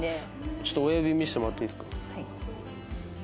ちょっと親指見せてもらっていいですか？